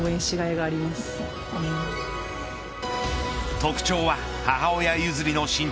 特徴は母親譲りの身長。